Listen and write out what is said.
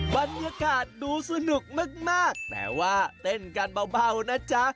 บรรยากาศดูสนุกมากแต่ว่าเต้นกันเบานะจ๊ะ